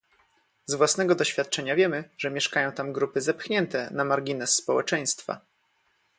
Z własnego doświadczenia wiemy, że mieszkają tam grupy zepchnięte na margines społeczeństwa